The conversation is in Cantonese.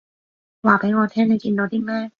話畀我聽你見到啲咩